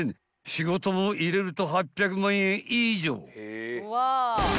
［仕事も入れると８００万円以上］